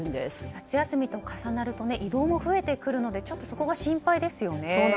夏休みと重なると移動も増えてくるのでちょっとそこが心配ですよね。